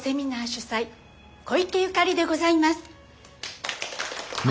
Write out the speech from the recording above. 主宰小池ゆかりでございます。